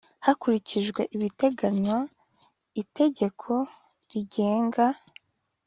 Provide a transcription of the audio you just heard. hakurikijwe ibiteganywa itegeko rigenga